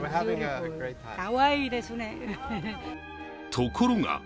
ところが！